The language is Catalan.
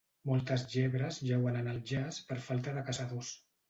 Moltes llebres jauen en el jaç per falta de caçadors.